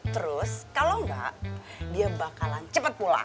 terus kalau enggak dia bakalan cepat pulang